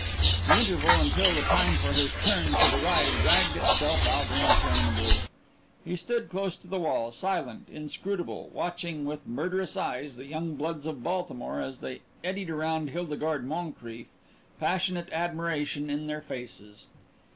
The interval until the time for his turn should arrive dragged itself out interminably. He stood close to the wall, silent, inscrutable, watching with murderous eyes the young bloods of Baltimore as they eddied around Hildegarde Moncrief, passionate admiration in their faces.